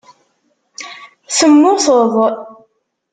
Temmuteḍ.